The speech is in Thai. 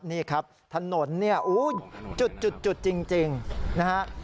นี่ครับถนนเนี่ยจุดจริงนะฮะ